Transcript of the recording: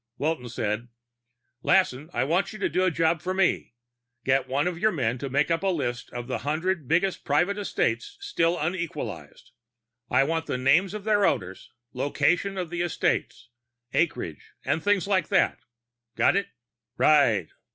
Walton said, "Lassen, I want you to do a job for me. Get one of your men to make up a list of the hundred biggest private estates still unequalized. I want the names of their owners, location of the estates, acreage, and things like that. Got it?" "Right.